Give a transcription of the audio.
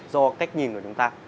do cách nhìn của chúng ta